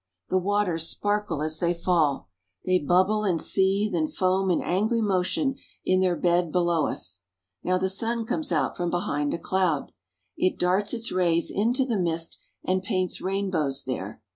The waters sparkle as they fall. They bubble and seethe and foam in angry motion in their bed below us. Now the sun comes out from behind a cloud. It darts its rays into the mist, and paints rainbows there.